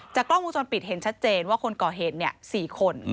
กล้องวงจรปิดเห็นชัดเจนว่าคนก่อเหตุ๔คน